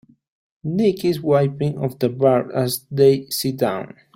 Nick is wiping off the bar as they sit down.